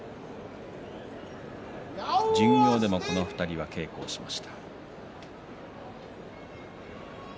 巡業でもこの２人は稽古をしました。